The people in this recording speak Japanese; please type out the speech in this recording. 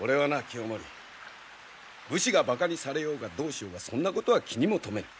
清盛武士がバカにされようがどうしようがそんなことは気にも留めぬ。